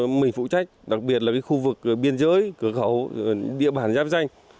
mình phụ trách đặc biệt là khu vực biên giới cửa khẩu địa bản giáp danh